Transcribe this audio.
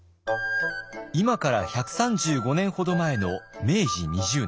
今から１３５年ほど前の明治２０年。